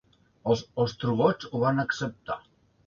Els ostrogots ho van acceptar.